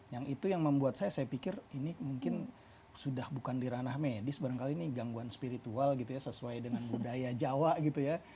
yang itu yang membuat saya saya pikir ini mungkin sudah bukan di ranah medis barangkali ini gangguan spiritual gitu ya sesuai dengan budaya jawa gitu ya